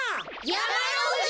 やまのふじ！